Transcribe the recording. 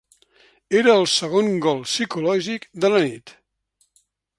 Era el segon gol psicològic de la nit.